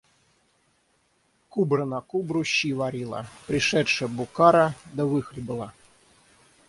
Кубра на кубру щи варила, пришедши букара, да выхлебала.